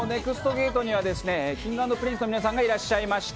ゲートには、Ｋｉｎｇ＆Ｐｒｉｎｃｅの皆さんがいらっしゃいました。